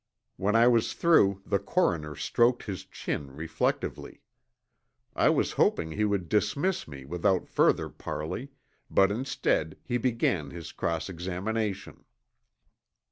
When I was through, the coroner stroked his chin reflectively. I was hoping he would dismiss me without further parley, but instead he began his cross examination.